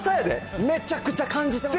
めちゃくちゃ感じてます。